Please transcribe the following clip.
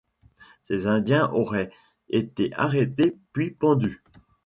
Ces Indiens auraient été arrêtés puis pendus.